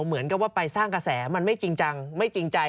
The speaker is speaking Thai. เหมือนกับว่าไปสร้างกระแสมันไม่จริงจังไม่จริงใจ